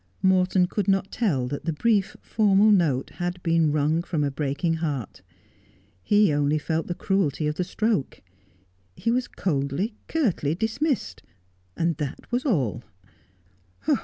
Morton could not tell that the brief, formal note had been wrung from a breaking heart. He only felt the cruelty of the stroke. He was coldly, curtly dismissed ; and that was all.